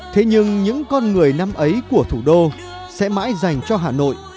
thế nhưng những con người năm ấy của thủ đô sẽ mãi dành cho hà nội